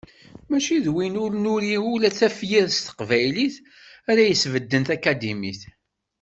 Mačči d wid ur nuri ula d tafyirt s teqbaylit ara yesbedden takadimit.